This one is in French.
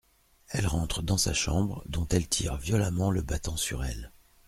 Elle rentre dans sa chambre, dont elle tire violemment le battant sur elle.